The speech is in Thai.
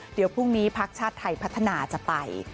เดี๋ยวพรุ่งนี้พักชาติไทยพัฒนาจะไป